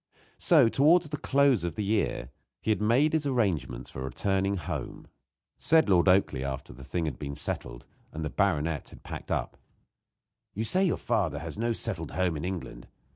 So, towards the close of the year, he had made his arrangements for returning home. Said Lord Oakleigh, after the thing had been settled, and the baronet had packed up: "You say you have no settled home in England.